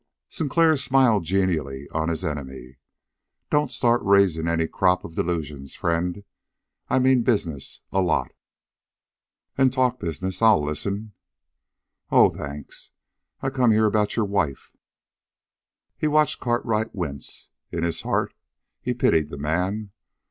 Sinclair smiled genially on his enemy. "Don't start raising any crop of delusions, friend. I mean business a lot." "Then talk business. I'll listen." "Oh, thanks! I come here about your wife." He watched Cartwright wince. In his heart he pitied the man.